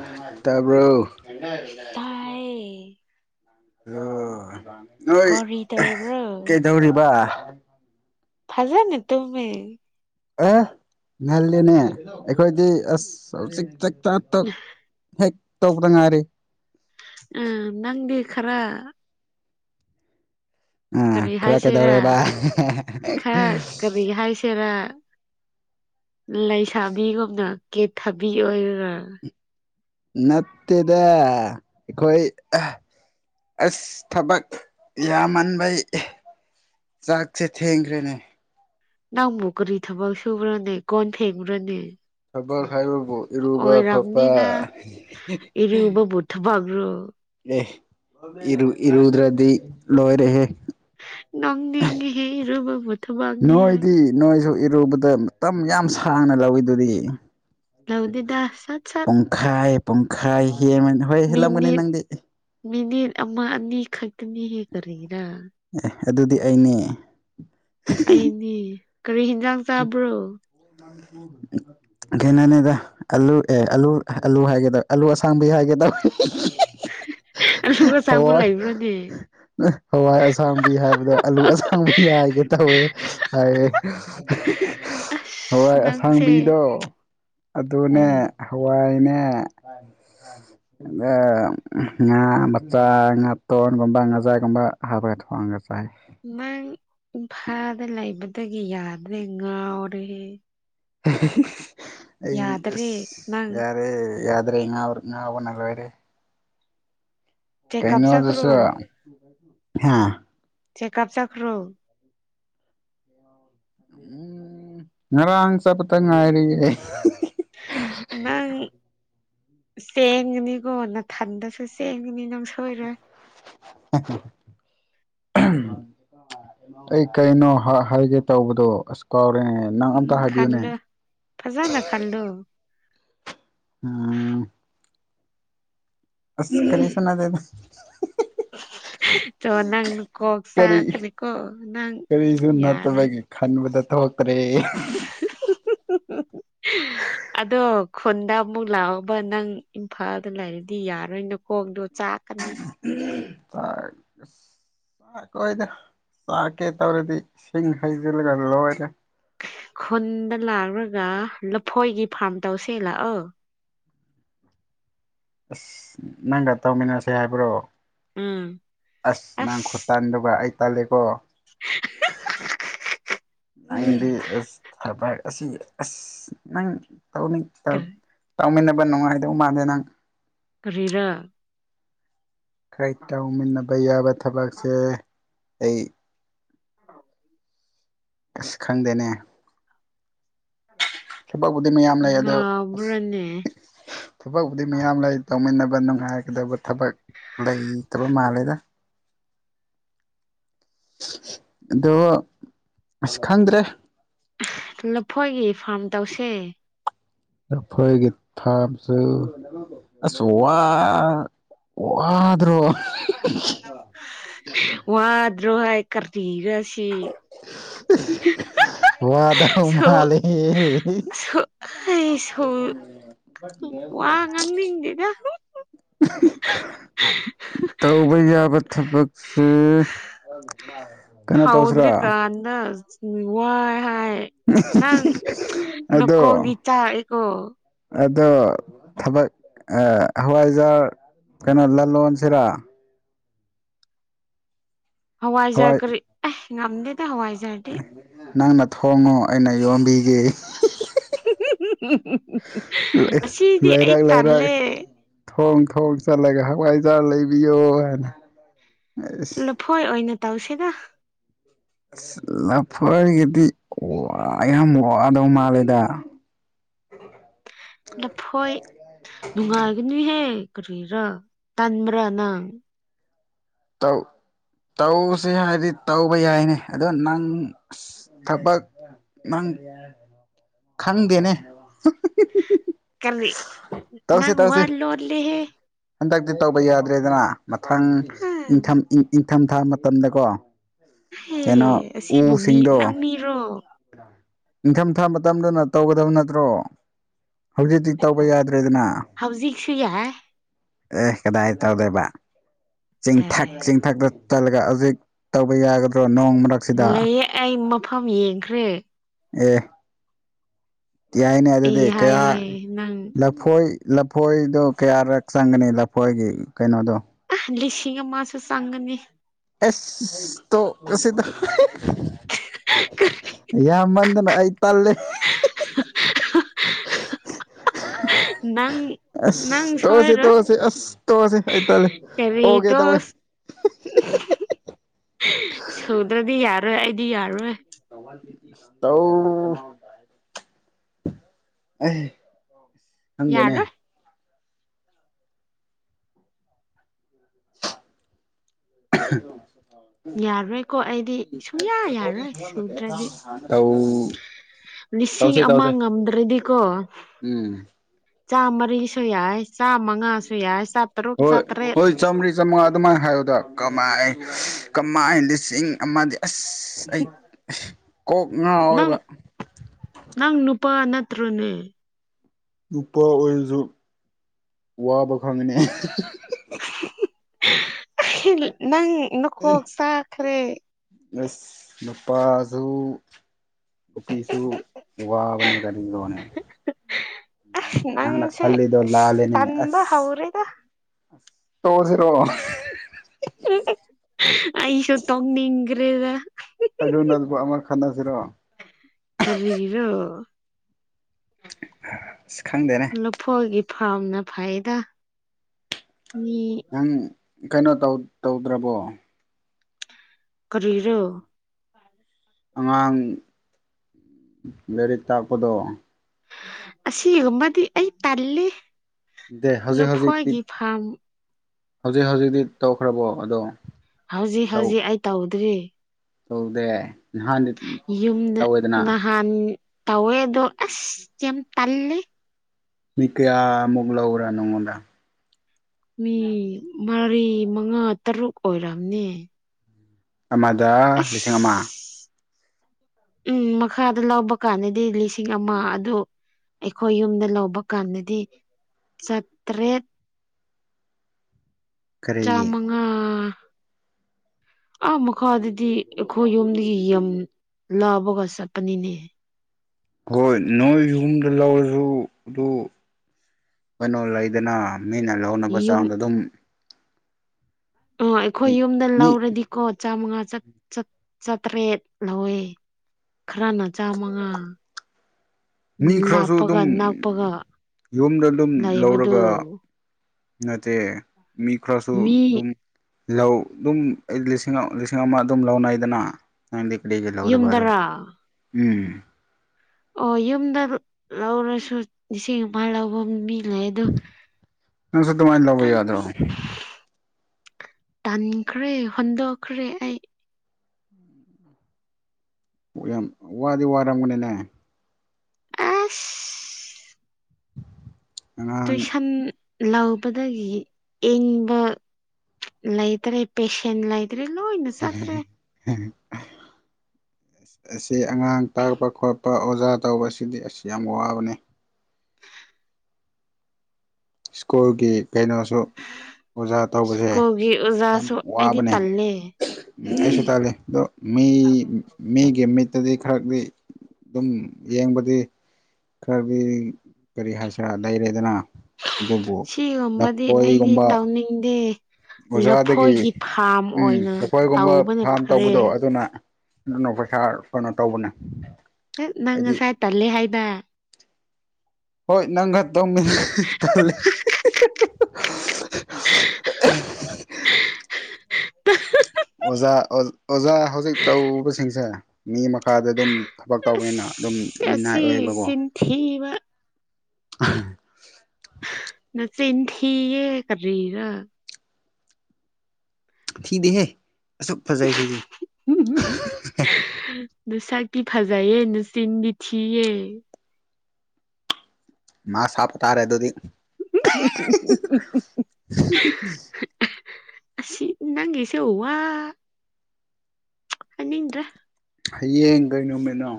[unintelligible] ꯇꯥꯕ꯭ꯔꯣ ꯇꯥꯏꯌꯦ ꯍꯜꯂ‌ꯣ ꯅꯣꯏ ꯀꯔꯤ ꯇꯧꯕ꯭ꯔꯣ ꯀꯩꯗꯧꯔꯤꯕ ꯐꯖꯅ ꯇꯨꯝꯃ‌ꯦ ꯑꯦ ꯉꯜꯂ‌ꯦꯅꯦ ꯑꯩꯈꯣꯏꯗꯤ ꯑꯁ ꯍꯧꯖꯤꯛ ꯆꯥꯛ ꯆꯥ ꯇ‌ꯣꯛ ꯍꯦꯛ ꯇꯧꯕꯗ ꯉꯥꯏꯔꯤ ꯎꯝ ꯅꯪꯗꯤ ꯈꯔ ꯑꯥ ꯀꯔꯤ ꯈꯔ ꯍꯥꯏꯁꯤꯔꯥ ꯀꯩꯗꯧꯔꯦꯕ ꯈꯔ ꯀꯔꯤ ꯍꯥꯏꯁ‌ꯦꯔ ꯂꯩꯁꯥꯕꯤꯒꯨꯝꯅ ꯀꯦꯊꯕꯤ ꯑꯣꯏꯔ ꯅꯠꯇꯦꯗ ꯑꯩꯈꯣꯏ ꯑꯁ ꯊꯕꯛ ꯌꯥꯃꯟꯕꯩ ꯆꯥꯛꯁꯦ ꯊꯦꯡꯈ꯭ꯔꯦꯅꯦ ꯅꯪꯕꯨ‌ ꯀꯔꯤ ꯊꯕꯛ ꯁꯨꯕ꯭ꯔꯣꯅꯦ ꯀꯣꯟ ꯐ‌ꯦꯡꯕ꯭ꯔꯥꯅꯦ ꯊꯕꯛ ꯍꯥꯏꯕꯕꯨ ꯏꯔꯨꯕ ꯈꯣꯠꯄ ꯑꯣꯏꯔꯝꯅꯤꯅ ꯏꯔꯨꯕꯕꯨ ꯊꯕꯛꯔꯣ ꯑꯦ ꯏꯔꯨ ꯏꯔꯨꯗ꯭ꯔꯗꯤ ꯂꯣꯏꯔꯦꯍꯦ ꯅꯪꯗꯤ ꯅ‌ꯦꯍꯦꯔꯕꯕꯨꯠ ꯅꯣꯏꯗꯤ ꯅꯣꯏꯁꯨ ꯏꯔꯨꯕꯗ ꯃꯇꯝ ꯌꯥꯝ ꯁꯥꯡꯅ ꯂꯧꯋꯤꯗꯨꯗꯤ ꯂꯧꯗ‌ꯦꯗ ꯁꯠ ꯁꯠ ꯈꯥꯏ ꯄꯨꯡꯈꯥꯏ ꯍꯦꯟ [unintelligible] ꯃꯤꯅꯤꯠ ꯃꯤꯅꯤꯠ ꯑꯃ ꯑꯅꯤ ꯈꯛꯇꯅꯤ ꯍꯦ ꯀꯔꯤꯔ ꯑꯦ ꯑꯗꯨꯗꯤ ꯑꯩꯅꯦ ꯅ‌ꯦ ꯀꯔꯤ ꯍꯤꯟꯖꯥꯡ ꯆꯥꯕ꯭ꯔꯣ [inaudible] ꯀꯩꯅꯣꯅꯤꯗ ꯑꯂꯨ ꯑꯦ ꯑꯂꯨ ꯑꯂꯨ ꯍꯥꯏꯒꯦꯗꯧ ꯑꯂꯨ ꯑꯁꯥꯡꯕ ꯍꯥꯏꯒꯦꯗꯧ ꯑꯂꯨ ꯑꯁꯥꯡꯕ ꯍꯋꯥꯏ ꯂꯩꯕ꯭ꯔ‌ꯣꯅ‌ꯦ ꯍꯋꯥꯏ ꯑꯁꯥꯡꯕꯤ ꯍꯥꯏꯕꯗ ꯑꯂꯨ ꯑꯁꯥꯡꯕꯤ ꯌꯥꯏꯒꯦ ꯇꯧꯋꯦ ꯍꯥꯏꯌ‌ꯦ ꯑꯁ ꯍꯋꯥꯏ ꯅꯪꯁꯦ ꯑꯁꯥꯡꯕꯤꯗꯣ ꯑꯗꯨꯅꯦ ꯎꯝ ꯍꯋꯥꯏꯅꯦ ꯑꯗ ꯉꯥ ꯃꯆꯥ ꯉꯥꯇꯣꯟꯒꯨꯝꯕ ꯉꯥꯖꯥꯒꯨꯝꯕ ꯍꯥꯞꯄꯒ ꯊꯣꯡꯒ ꯆꯥꯏ ꯅꯪ ꯏꯝꯐꯥꯜꯗ ꯂꯩꯕꯗꯒꯤ ꯌꯥꯗ꯭ꯔꯦ ꯉꯥꯎꯔꯦꯍ‌ꯦ ꯑꯩ ꯌꯥꯗ꯭ꯔꯦ ꯑꯁ ꯅꯪ ꯌꯥꯔꯦ ꯌꯥꯗ꯭ꯔꯦꯉꯥꯎꯔ‌ꯦ ꯉꯥꯎꯕꯅ ꯂꯣꯏꯔꯦ ꯆꯦꯛꯀꯞ ꯆꯠꯈ꯭ꯔꯣ ꯀꯩꯅ‌ꯣꯗꯨꯁꯨ ꯍꯥ ꯆꯦꯛꯀꯥꯞ ꯆꯠꯈ꯭ꯔꯣ ꯎꯝ ꯉꯥꯔꯥꯥꯡ ꯆꯠꯄꯇ ꯉꯥꯏꯔꯤ ꯑꯩ [unintelligible] ꯆꯦꯡꯒꯅꯤꯀꯣ ꯅꯥꯊꯟꯗꯁꯨ ꯆꯦꯟꯒꯅꯤ ꯅꯪ ꯁꯣꯏꯔꯣꯏ [unintelligible] [inaudible] ꯑꯩ ꯀꯩꯅꯣ ꯍꯥ ꯍꯥꯏꯒꯦ ꯇꯧꯕꯗꯣ ꯑꯁ ꯀꯥꯎꯔꯦꯅꯦ ꯅꯪ ꯑꯝ ꯈꯜꯂꯨ ꯐꯖꯅ ꯈꯜꯂꯨ [unintelligible] ꯑꯁ ꯀꯔꯤꯁꯨ ꯅꯠꯇꯦꯗ ꯇꯣ ꯅꯪ ꯀꯣꯛ ꯀꯔꯤ ꯆꯥꯛꯈꯥꯅꯤꯀꯣ ꯅꯪ ꯀꯔꯤꯁꯨ ꯌꯥꯔꯣꯏ ꯅꯠꯇꯕꯒꯤ ꯈꯟꯕꯗ ꯊꯣꯛꯇ꯭ꯔꯦ [unintelligible] ꯑꯗꯣ ꯈꯨꯟꯗ ꯑꯃꯨꯛ ꯂꯥꯛꯑꯣꯕ ꯅꯪ ꯏꯝꯐꯥꯜꯗ ꯂꯩꯔꯗꯤ ꯌꯥꯔꯣꯏ ꯅꯀꯣꯛꯗꯣ ꯆꯥꯛꯀꯅꯤ [unintelligible] ꯇꯥꯛ ꯆꯥꯛ ꯀꯣꯏꯗ ꯆꯥꯛꯀꯦ ꯇꯧꯔꯗꯤ ꯏꯁꯤꯡ ꯍꯩꯖꯤꯜꯂꯒ ꯂꯣꯏꯔꯦ ꯈꯨꯟꯗ ꯂꯥꯎꯔꯒ ꯂꯐꯣꯏꯒꯤ ꯐꯥꯔꯝ ꯇꯧꯁꯦ ꯂꯥꯛꯑꯣ ꯑꯁ ꯅꯪꯒ ꯇꯧꯃꯤꯟꯅꯁꯦ ꯍꯥꯏꯕ꯭ꯔꯣ ꯎꯝ ꯑꯁ ꯅꯪ ꯈꯨꯇꯟꯗꯨꯒ ꯑꯩ ꯇꯜꯂꯦꯀꯣ [unintelligible] ꯅꯪꯗꯤ ꯑꯁ ꯊꯕꯛ ꯑꯁꯤ ꯑꯁ ꯅꯪ ꯇꯧꯅꯤꯡ ꯇꯧ ꯀꯔꯤ ꯇꯧꯃꯤꯟꯅꯕ ꯅꯨꯡꯉꯥꯏꯗꯧ ꯃꯥꯟꯗꯦ ꯅꯪ ꯀꯔꯤꯔꯥ [unintelligible] ꯇꯧꯃꯤꯟꯅꯕ ꯌꯥꯕ ꯊꯕꯛꯁꯦ ꯑꯩ ꯑꯁ ꯈꯪꯗꯦꯅꯦ ꯊꯕꯛꯕꯨꯗꯤ ꯃꯌꯥꯝ ꯂꯩ ꯑꯗꯣ ꯑꯁ ꯉꯥꯎꯕ꯭ꯔꯅꯦ ꯊꯕꯛꯕꯨꯗꯤ ꯃꯌꯥꯝ ꯂꯩ ꯇꯧꯃꯤꯟꯅꯕ ꯅꯨꯡꯉꯥꯏꯒꯗꯕ ꯊꯕꯛ ꯂꯩꯇꯕ ꯃꯥꯜꯂꯦꯗ ꯑꯗꯣ ꯑꯁ ꯈꯪꯗ꯭ꯔꯦ ꯂꯐꯣꯏꯒꯤ ꯐꯥꯔꯝ ꯇꯧꯁꯦ ꯂꯐꯣꯏꯒꯤ ꯐꯥꯝꯖꯨ ꯑꯁ ꯋꯥ ꯋꯥꯗ꯭ꯔꯣ ꯋꯥꯗ꯭ꯔꯣ ꯍꯥꯏ ꯀꯔꯤꯔꯁꯤ ꯇꯤ [unintelligible] ꯋꯥꯗꯧ ꯃꯥꯂꯦꯍꯦ‌ [unintelligible] ꯍꯩꯁ ꯍꯨ ꯋꯥ ꯉꯥꯡꯅꯤꯡꯗꯦꯗ [unintelligible] ꯇꯧ- ꯕ ꯌꯥꯕ ꯊꯕꯛꯁꯦ [unintelligible] ꯇꯧꯁꯤꯔꯥ ꯍꯥꯎꯗ꯭ꯔꯤ ꯀꯥꯟꯗ ꯋꯥꯏ ꯍꯥꯏ ꯅꯪ ꯑꯗꯣ ꯅꯀꯣꯛꯗꯤ ꯆꯥꯛꯏꯀꯣ ꯑꯗꯣ ꯊꯕꯛ ꯑꯥ ꯍꯋꯥꯏꯖꯥꯔ ꯀꯩꯅꯣ ꯂꯂꯣꯟꯁꯤꯔꯥ ꯍꯋꯥꯏꯖꯥ ꯍꯋꯥꯏ ꯀꯔꯤ ꯑꯦ ꯉꯝꯗꯦꯗ ꯍꯋꯥꯏꯖꯥꯔꯗꯤ ꯅꯪꯅ ꯊꯣꯡꯉꯣ ꯑꯩꯅ ꯌꯣꯝꯕꯤꯒꯦ [unintelligible] ꯑꯁꯤꯗꯤ ꯑꯩ ꯂꯩꯔꯛ ꯂꯩꯔꯛ ꯇꯜꯂꯦ ꯊꯣꯡ ꯊꯣꯡ ꯆꯠꯂꯒ ꯍꯋꯥꯏꯖꯥꯔ ꯂꯩꯕꯤꯌꯣ ꯍꯥꯏꯅ ꯑꯁ ꯂꯐꯣꯏ ꯑꯣꯏꯅ ꯇꯧꯁꯦꯗ ꯑꯁ ꯂꯐꯒꯤꯗꯤ ꯋꯥ ꯌꯥꯝ ꯋꯥꯗꯧ ꯃꯥꯜꯂꯦꯗ ꯂꯐꯣꯏ ꯅꯨꯡꯉꯥꯏꯒꯅꯤꯍꯦ ꯀꯔꯤꯔꯥ ꯇꯟꯕ꯭ꯔꯥ ꯅꯪ ꯇꯧ ꯇꯧꯁꯦ ꯍꯥꯏꯔꯗꯤ ꯇꯧꯕ ꯌꯥꯏꯅꯦ ꯑꯗꯣ ꯅꯪ ꯑꯁ ꯊꯕꯛ ꯅꯪ ꯈꯪꯗꯦꯅꯦ ꯀꯔꯔꯤ ꯇꯧꯁꯤ ꯅꯪ ꯋꯥ ꯇꯧꯁꯤ ꯂꯣꯠꯂꯦ ꯍꯦ ꯍꯟꯗꯛꯇꯤ ꯇꯧꯕ ꯌꯥꯗ꯭ꯔꯦꯗꯅ ꯃꯊꯪ ꯏꯪꯊꯝ ꯎꯝ ꯏꯪꯊꯝꯊꯥ ꯃꯇꯝꯗꯀꯣ ꯍꯦ ꯀꯩꯅꯣ ꯑꯁꯤꯕꯨ ꯃꯤ ꯎꯁꯤꯡꯗꯣ ꯅꯪ ꯃꯤꯔꯣ ꯅꯤꯡꯊꯝꯊꯥ ꯃꯇꯝꯗꯅ ꯇꯧꯒꯗꯕ ꯅꯠꯇ꯭ꯔꯣ ꯍꯧꯖꯤꯛꯇꯤ ꯇꯧꯕ ꯌꯥꯗ꯭ꯔꯦꯗꯅ ꯍꯧꯖꯤꯛꯁꯨ ꯌꯥꯢ ꯑꯦ ꯀꯗꯥꯏ ꯇꯧꯗꯣꯏꯕ ꯆꯤꯡꯊꯛ ꯇꯥꯏ ꯆꯤꯡꯊꯛꯇ ꯆꯠꯂꯒ ꯍꯧꯖꯤꯛ ꯇꯧꯕ ꯌꯥꯒꯗ꯭ꯔꯣ ꯅꯣꯡꯃ ꯂꯩꯌꯦ ꯑꯩ ꯃꯐꯝ ꯌꯦꯡꯈ꯭ꯔꯦ ꯑꯦ ꯌꯥꯏꯅꯦ ꯑꯦ ꯑꯗꯨꯗꯤ ꯀꯌꯥ ꯍꯥꯏꯌꯦ ꯅꯪ ꯂꯧ ꯂꯐꯣꯏ ꯂꯐꯣꯏꯗꯣ ꯀꯌꯥꯔꯛ ꯆꯪꯒꯅꯤ ꯂꯐꯣꯏꯒꯤ ꯀꯩꯅꯣꯗꯣ ꯑ ꯂꯤꯁꯤꯡ ꯑꯃꯁꯨ ꯆꯪꯒꯅꯤ ꯑꯁ ꯇꯣꯛꯂꯁꯤꯗ ꯌꯥꯝ ꯃꯟꯗꯅ ꯑꯩ ꯇꯜꯂꯦ [unintelligible] ꯅꯪ ꯅꯪꯅ ꯑꯁ ꯇꯣꯛꯑꯁꯤ ꯁꯣꯏꯔꯣꯏ ꯇꯣꯛꯑꯁꯤ ꯑꯁ ꯇꯣꯛꯑꯁꯤ ꯑꯩ ꯇꯜꯂꯦ ꯑꯣꯒꯦ ꯇꯧꯋꯦ ꯁꯨꯗ꯭ꯔꯗꯤ ꯌꯥꯔꯣꯏ ꯑꯩꯗꯤ ꯌꯥꯔꯣꯏ ꯇꯧ ꯑꯩ ꯈꯪꯗꯦꯅꯦ ꯌꯥꯔꯣꯏ [unintelligible] ꯌꯥꯔꯣꯏꯀꯣ ꯑꯩꯗꯤ ꯁꯨꯌꯥ ꯌꯥꯔꯣꯏ ꯁꯨꯗ꯭ꯔꯗꯤ ꯇꯧ ꯂꯤꯁꯤꯡ ꯇꯧꯁꯦ ꯑꯃ ꯇꯧꯁꯦ ꯉꯝꯗ꯭ꯔꯗꯤꯀꯣ ꯎꯝ ꯆꯥꯝ ꯃꯔꯤꯁꯨ ꯌꯥꯏ ꯆꯥꯝ ꯃꯉꯥꯁꯨ ꯌꯥꯏ ꯆꯥ ꯍꯣꯏ ꯍꯣꯏ ꯆꯥꯝ ꯃ꯭ꯔꯤ ꯆꯥꯝꯃꯉꯥ ꯑꯗꯨꯃꯥꯏ ꯍꯥꯏꯌꯨꯗ ꯀꯃꯥꯏ ꯀꯃꯥꯏ ꯂꯤꯁꯤꯡ ꯑꯃꯗꯤ ꯑꯁ ꯑꯁ ꯑꯩ ꯀꯣꯛ ꯅꯪ ꯉꯥꯎꯋꯦꯕ ꯅꯪ ꯅꯨꯄꯥ ꯅꯠꯇ꯭ꯔꯣꯅꯦ ꯅꯨꯄꯥ ꯑꯣꯏꯔꯁꯨ ꯋꯥꯕ ꯈꯪꯉꯤꯅꯤ ꯅꯪ ꯅꯈꯣꯛ ꯆꯥꯈ꯭ꯔꯦ ꯑꯁ ꯅꯨꯄꯥꯖꯨ ꯅꯨꯄꯤꯁꯨ ꯋꯥꯕꯅꯦ ꯀꯔꯤꯅꯣꯅꯦ ꯅꯪꯅ ꯅꯪꯁꯦ ꯈꯜꯂꯤꯗꯣ ꯑꯁ ꯂꯥꯂꯦꯅꯤꯅꯦ ꯇꯟꯕ ꯑꯁ ꯍꯧꯔꯦꯗ ꯑꯁ ꯇꯣꯛꯑꯖꯤꯔꯣ ꯑꯩꯁꯨ ꯇꯣꯛꯅꯤꯡꯒꯔ꯭ꯦꯗ ꯑꯗꯨ ꯅꯕꯨ ꯑꯃ ꯈꯟꯅꯁꯤꯔꯣ ꯀꯔꯤꯒꯤꯔꯣ ꯏꯁ ꯈꯪꯗꯦꯅꯦ ꯂꯐꯣꯏꯒꯤ ꯐꯥꯔ꯭ꯝꯅ ꯐꯩꯗ ꯅꯪ ꯀꯩꯅꯣ ꯇꯧ ꯇꯧꯗ꯭ꯔꯕꯣ ꯀꯔꯤꯔꯣ ꯑꯉꯥꯡ ꯂꯩꯔꯤꯛ ꯇꯥꯛꯄꯗꯣ ꯑꯁꯤꯒꯨꯝꯕꯗꯤ ꯑꯩ ꯇꯜꯂꯤ ꯗꯦ ꯍꯧꯖꯤꯛ ꯍꯧꯖꯤꯛꯇꯤ ꯂꯐꯣꯏꯒꯤ ꯐꯥꯝ ꯍꯧꯖꯤꯛ ꯍꯧꯖꯤꯛꯇꯤ ꯇꯧꯈ꯭ꯔꯕꯣ ꯑꯗꯣ ꯍꯧꯖꯤꯛ ꯇꯧ ꯍꯧꯖꯤꯛ ꯑꯩ ꯇꯧꯗ꯭ꯔꯤ ꯇꯧꯗꯦ ꯅꯍꯥꯟ ꯌꯨꯝꯗ ꯅꯍꯥꯟ ꯇꯧꯋꯦꯗꯣ ꯑꯁ ꯌꯥꯝ ꯇꯜꯂꯤ ꯃꯤ ꯀꯌꯥꯃꯨꯛ ꯂꯥꯎꯔꯥ ꯅꯪꯉꯣꯟꯗ ꯃꯤ ꯃꯔꯤ ꯃꯉꯥ ꯇꯔꯨꯛ ꯑꯣꯏꯔꯝꯅꯤ ꯑꯃꯗ ꯑꯁ ꯂꯤꯁꯤꯡ ꯑꯃ ꯎꯝ ꯃꯈꯥꯗ ꯂꯧꯕ ꯀꯥꯟꯗꯗꯤ ꯂꯤꯁꯤꯡ ꯑꯃ ꯎꯝ ꯑꯗꯨ ꯑꯩꯈꯣꯏ ꯌꯨꯝꯗ ꯂꯧꯕ ꯀꯥꯟꯗꯗꯤ ꯆꯥꯇ꯭ꯔꯦꯠ ꯀꯔꯤꯒꯤ ꯆꯥꯃꯉ ꯑꯥ ꯃꯈꯥ ꯗꯗꯤ ꯑꯩꯈꯣꯏ ꯌꯨꯝꯗꯒꯤ ꯌꯧꯅ ꯂꯕꯒꯥ ꯆꯠꯄꯅꯤꯅꯦ ꯍꯣꯏ ꯅꯣꯏ ꯌꯨꯝꯗ ꯂꯧꯔꯁꯨ ꯑꯗꯨ ꯀꯩꯅꯣ ꯂꯩꯗꯅ ꯃꯤꯅ ꯂꯧꯅꯕ ꯌꯨꯝ ꯆꯥꯡꯗ ꯑꯗꯨꯝ ꯇꯣ ꯃꯤ ꯑꯩꯈꯣꯏ ꯌꯨꯝꯗ ꯃꯤ ꯂꯧꯔꯗꯤꯀꯣ ꯆꯥꯃꯉꯥ ꯆꯥꯇ꯭ꯔꯦꯠ ꯂꯧꯋꯦ ꯈꯔꯅ ꯆꯥꯃꯉꯥ ꯃꯤ ꯈꯔꯁꯨ ꯂꯥꯞꯄꯒ ꯑꯗꯨꯝ ꯅꯛꯄꯒ ꯌꯨꯝꯗ ꯑꯗꯨꯝ ꯂꯩꯕꯗꯨ ꯂꯧꯔꯒ ꯅꯠꯇꯦ ꯃꯤ ꯈꯔꯁꯨ ꯃꯤ ꯑꯗꯨꯝ ꯂꯧ ꯑꯗꯨꯝ ꯑꯩ ꯂꯤꯁꯤꯡ ꯂꯤꯁꯤꯡ ꯑꯃ ꯑꯗꯨꯝ ꯂꯧꯅꯩꯗꯅ ꯅꯪꯗꯤ ꯀꯔꯤꯒꯤ ꯂꯧꯗꯕꯔꯣ ꯌꯨꯝꯗꯔꯥ ꯎꯝ ꯑꯣ ꯌꯨꯝꯗ ꯂꯧꯔꯁꯨ ꯂꯤꯁꯤꯡ ꯑꯃ ꯂꯧꯕꯝ ꯃꯤ ꯂꯩ ꯑꯗꯣ ꯅꯪꯁꯨ ꯗꯨꯃꯥꯏꯟ ꯂꯧꯕ ꯌꯥꯗꯔꯣ ꯑꯩꯗꯤ ꯇꯟꯈ꯭ꯔꯦ ꯍꯣꯟꯗꯣꯛꯈ꯭ꯔꯦ ꯑꯩ ꯌꯥꯝ ꯋꯥꯗꯤ ꯋꯥꯔꯝꯒꯅꯤꯅꯦ ꯑꯁ ꯑꯉꯥꯡ ꯇꯨꯏꯁꯟ ꯂꯧꯕꯗꯒꯤ ꯌꯦꯡꯕ ꯂꯩꯇ꯭ꯔꯦ ꯄꯦꯁꯦꯟ ꯂꯩꯇ꯭ꯔꯦ ꯂꯣꯏꯅ ꯆꯠꯈ꯭ꯔꯦ [unintelligible] ꯑꯁꯤ ꯑꯉꯥꯡ ꯇꯥꯛꯄ ꯈꯣꯠꯄ ꯑꯣꯖꯥ ꯇꯧꯕꯁꯤꯗꯤ ꯑꯁ ꯌꯥꯝ ꯋꯥꯕꯅ ꯁ꯭ꯀꯨꯜꯒꯤ ꯀꯩꯅꯣꯁꯨ ꯑꯣꯖꯥ ꯇꯧꯕꯁꯦ ꯁ꯭ꯀꯨꯜꯒꯤ ꯌꯥꯝ ꯑꯣꯖꯥꯁꯨ ꯑꯩꯗꯤ ꯋꯥꯕꯅꯦ ꯇꯜꯂꯦ ꯑꯩꯁꯨ ꯇꯜꯂꯦ ꯑꯗꯣ ꯃꯤ ꯃꯤꯒꯤ ꯃꯤꯠ ꯇꯗꯤ ꯈꯔꯗꯤ ꯑꯗꯨꯝ ꯌꯦꯡꯕꯗꯤ ꯈꯔꯗꯤ ꯀꯔꯤ ꯍꯥꯏꯁꯤꯔꯥ ꯂꯩꯔꯦꯗꯅ ꯑꯗꯨꯕꯨ ꯁꯤꯒꯨꯝꯕꯗꯤ ꯑꯩꯗꯤ ꯂꯐꯣꯏꯒꯨꯝꯕ ꯇꯧꯅꯤꯡꯗꯦ ꯑꯣꯖꯥꯗꯒꯤ ꯂꯐꯣꯏꯒꯤ ꯐꯥꯝ ꯎꯝ ꯑꯣꯏꯅ ꯑꯩꯈꯣꯏꯒꯨꯝꯕ ꯇꯧꯕꯅ ꯐꯥꯔꯝ ꯐꯔꯦ ꯇꯧꯕꯗꯣ ꯑꯗꯨꯅ ꯑꯗꯨꯅ ꯄꯩꯁꯥ ꯀꯩꯅꯣ ꯇꯧꯕꯅꯦ ꯍꯩꯠ ꯅꯪ ꯍꯥꯏꯗꯤ ꯉꯁꯥꯏ ꯇꯜꯂꯦ ꯍꯥꯏꯅ ꯍꯣꯏ ꯅꯪꯒ ꯇꯧꯃꯤꯟꯅ [unintelligible] [unintelligible] [unintelligible] [unintelligible] ꯑꯣꯖꯥ ꯑꯣ ꯑꯣꯖꯥ ꯍꯧꯖꯤꯛ ꯇꯧꯕꯁꯤꯡꯁꯦ ꯃꯤ ꯑꯃꯥ ꯈꯔꯗꯤ ꯑꯗꯨꯝ ꯊꯕꯛ ꯇꯧꯕꯅꯤꯅ ꯑꯗꯨꯝ ꯃꯤꯅꯥꯏ ꯑꯣꯏꯌꯦꯕꯀꯣ ꯊꯤꯕ [unintelligible] ꯅꯆꯤꯟ ꯊꯤꯌꯦ ꯀꯔꯤꯔ ꯊꯤꯗꯦꯍꯦ ꯑꯁꯨꯛ ꯐꯖꯩ ꯁꯤꯗꯤ ꯅꯁꯛꯇꯤ ꯐꯖꯩꯌꯦ ꯅꯆꯤꯡꯗꯤ ꯊꯤꯌꯦ ꯃꯥ ꯁꯥꯞ ꯇꯥꯔꯦ ꯑꯗꯨꯗꯤ [unintelligible] ꯑꯁꯤ ꯅꯪꯒꯤꯁꯨ ꯋꯥ ꯍꯥꯏꯅꯤꯡꯗ꯭ꯔꯦ ꯍꯌꯦꯡ ꯀꯩ ꯅꯣꯃꯤꯠꯅꯣ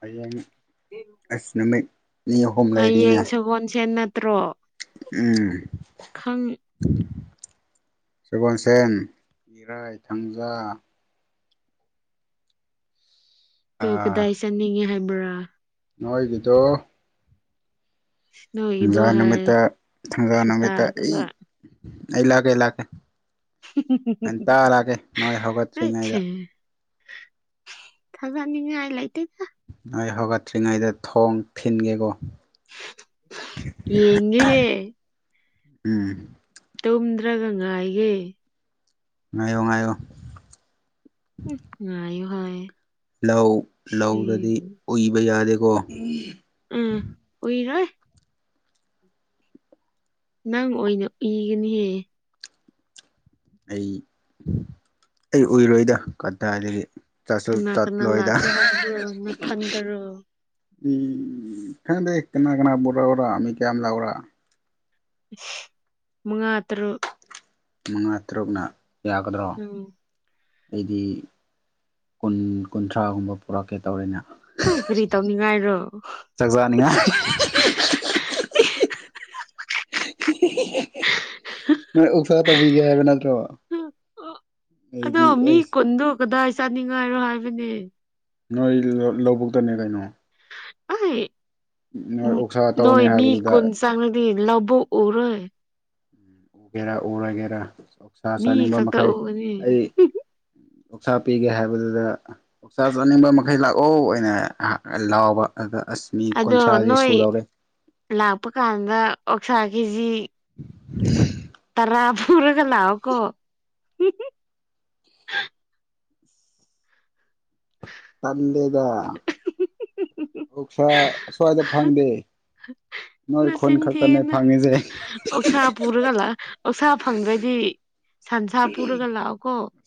ꯍꯌꯦꯡ [unintelligible] ꯑꯁ ꯅꯨꯃꯤꯠ ꯑꯅꯤ ꯑꯍꯨꯝ ꯂꯩꯔꯤꯅꯦ ꯍꯌꯦꯡ ꯁꯒꯣꯜꯁꯦꯟ ꯅꯠꯇ꯭ꯔꯣ ꯎꯝ ꯈꯪ ꯁꯒꯣꯟꯁꯦꯟ ꯏꯔꯥꯏ ꯊꯥꯡꯖꯥ ꯇꯣ ꯑꯥ ꯀꯗꯥꯏ ꯆꯠꯅꯤꯡꯉꯦ ꯍꯥꯏꯕ꯭ꯔꯥ ꯅꯣꯏꯒꯤꯗꯣ ꯎ ꯊꯥꯡꯖꯥ ꯅꯨꯃꯤꯠꯇ ꯊꯥꯡꯖꯥ ꯁꯛꯇꯥ ꯅꯨꯃꯤꯠꯇ ꯑꯩ ꯑꯗꯨꯒ ꯑꯩ ꯂꯥꯛꯀꯦ ꯑꯩ ꯂꯥꯛꯀꯦ ꯉꯟꯇ ꯂꯛꯀꯦ ꯅꯣꯏ ꯍꯧꯒꯠꯇ꯭ꯔꯤꯉꯩꯗ ꯊꯖꯥꯅꯤꯡꯉꯥꯏ ꯂꯩꯇꯦꯗ ꯅꯣꯏ ꯍꯧꯒꯠꯇ꯭ꯔꯤꯉꯩꯗ ꯊꯣꯡ ꯊꯤꯟꯒꯦꯀꯣ ꯌꯦꯡꯉꯦꯍꯦ ꯎꯝ ꯇꯨꯝꯗ꯭ꯔꯒ ꯉꯥꯏꯒꯦ ꯉꯥꯏꯌꯣ ꯉꯥꯏꯌꯣ ꯎ ꯉꯥꯏꯌꯨ ꯍꯥꯏ ꯂꯧ ꯂꯧꯗꯗꯤ ꯁꯤꯕꯨ ꯎꯏꯕ ꯌꯥꯗꯦꯀꯣ ꯎꯝ ꯎꯏꯔꯣꯏ ꯅꯪ ꯑꯣꯏꯅ ꯎꯏꯒꯅꯤꯍꯦ ꯑꯩ ꯑꯩ ꯎꯏꯔꯣꯏꯗ ꯀꯗꯥꯏꯗꯒꯤ ꯆꯠꯁꯨ ꯀꯅꯥ ꯀꯅꯥ ꯆꯠꯂꯣꯏꯗ ꯂꯥꯛꯀꯦ ꯍꯥꯏꯕ꯭ꯔꯣ ꯅꯊꯟꯇꯔꯣ ꯈꯪꯗꯦ ꯀꯅꯥ ꯀꯅꯥ ꯄꯨꯔꯣꯎꯔꯥ ꯃꯤ ꯀꯌꯥꯝ ꯂꯥꯎꯔꯥ ꯃꯉꯥ ꯇꯔꯨꯛ ꯃꯉꯥ ꯇꯔꯨꯛꯅ ꯌꯥꯒꯗ꯭ꯔꯣ ꯎꯝ ꯑꯩꯗꯤ ꯀꯨꯟ ꯀꯨꯟꯊ꯭ꯔꯥꯒꯨꯝꯕ ꯄꯨꯔꯛꯀꯦ ꯇꯧꯔꯦꯅ ꯑꯦ ꯀꯔꯤ ꯇꯧꯅꯤꯡꯉꯥꯏꯔꯣ ꯆꯥꯛ ꯆꯥꯅꯤꯡꯉꯥꯏ [inaudible] ꯅꯣꯏ ꯑꯣꯛꯁꯥ ꯇꯧꯕꯤꯒꯦ ꯍꯥꯏꯕ ꯅꯠꯇ꯭ꯔꯣ ꯍꯝ, ꯑ, ꯑꯗꯣ ꯑꯩꯗꯤ ꯃꯤ ꯑꯁ ꯀꯨꯟꯗꯣ ꯀꯗꯥꯏ ꯆꯥꯅꯤꯡꯉꯥꯏꯔꯣ ꯍꯥꯏꯕꯅꯦ ꯅꯣꯏ ꯂꯧꯕꯨꯛꯇꯅꯦ ꯀꯩꯅꯣ ꯑꯩ ꯅꯣꯏ ꯑꯣꯛꯁꯥ ꯅꯣꯏ ꯇꯧꯅꯤ ꯃꯤ ꯍꯥꯏꯕꯗꯨꯗ ꯀꯨꯟ ꯆꯥꯡꯔꯗꯤ ꯂꯧꯕꯨꯛꯎꯔꯣꯏ ꯎꯒꯦꯔꯥ ꯎꯔꯣꯏꯒꯦꯔꯥ ꯑꯣꯛꯁꯥ ꯃꯤ ꯆꯥꯅꯤꯡꯕ ꯈꯛꯇ ꯃꯈꯩ ꯎꯒꯅꯤ ꯑꯩ ꯑꯣꯛꯁꯥ ꯄꯤꯒꯦ ꯍꯥꯏꯕꯗꯨꯗ ꯆꯥꯛ ꯆꯥꯅꯤꯡꯕ ꯃꯈꯩ ꯂꯥꯛꯑꯣ ꯍꯥꯏꯅ ꯂꯥꯎꯕ ꯑꯗ ꯑꯁ ꯃꯤ ꯑꯗꯣ ꯀꯨꯟꯊ꯭ꯔꯥꯗꯤ ꯅꯣꯏ ꯁꯨꯗꯧꯔꯦ ꯂꯥꯛꯄ ꯀꯥꯟꯗ ꯑꯣꯛꯁꯥ ꯀꯦꯖꯤ [inaudible] ꯇꯔꯥ ꯐꯨꯔꯒ ꯂꯥꯑꯣꯀꯣ ꯫ ꯇꯜꯂꯦꯗ ꯑꯛꯁꯥ ꯑꯁ꯭ꯋꯥꯏꯗ ꯐꯪꯗꯦ ꯫ ꯅꯣꯏ ꯈꯨꯟ ꯈꯛꯇꯅꯦ ꯐꯪꯉꯤꯁꯦ ꯫ ꯑꯣꯁꯥ ꯄꯨꯔꯒ ꯂꯥꯛꯑꯣ ꯑꯣꯛꯁꯥ ꯐꯪꯗ꯭ꯔꯗꯤ ꯁꯟꯁꯥ ꯄꯨꯔꯒ ꯂꯥꯛꯑꯣ ꯀꯣ ꯫